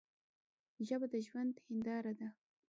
ژبه د ژوند هنداره ده.